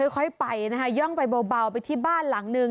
ค่อยไปนะคะย่องไปเบาไปที่บ้านหลังนึง